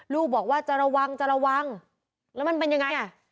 ลูกบอกว่าจะระวังจะระวังแล้วมันเป็นยังไงอ่ะ